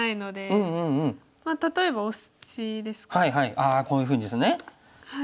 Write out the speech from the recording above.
ああこういうふうにですね。